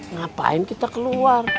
ngapain kita keluar